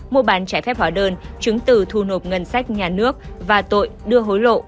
mua bán trái phép hóa đơn chứng từ thu nộp ngân sách nhà nước và tội đưa hối lộ